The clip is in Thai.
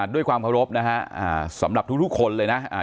ด้วยความเคารพนะฮะสำหรับทุกคนเลยนะ